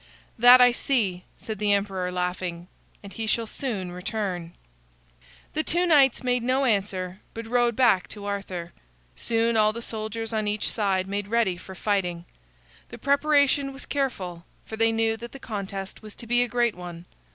"That I see," said the emperor laughing, "and he shall soon return." The two knights made no answer, but rode back to Arthur. Soon all the soldiers on each side made ready for fighting. The preparation was careful, for they knew that the contest was to be a great one.